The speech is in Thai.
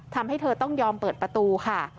ทำให้เธอต้องยอมเปิดประตูค่ะ